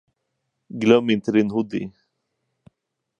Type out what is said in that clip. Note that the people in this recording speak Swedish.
Glöm inte din hoodie!